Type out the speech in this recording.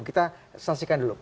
kita saksikan dulu